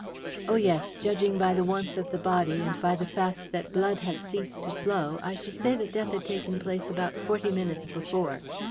"Oh, yes. Judging by the warmth of the body, and by the fact that blood had ceased to flow, I should say that death had taken place about forty minutes before."